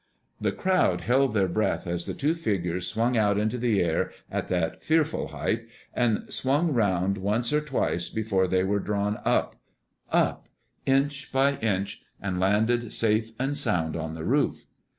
The crowd held their breath as the two figures swung out into the air at that fearful height, and spun round once or twice before they were drawn up up inch by inch, and landed safe and sound on the roof.